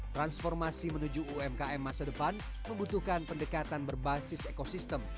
transformasi menuju umkm masa depan membutuhkan pendekatan berbasis ekosistem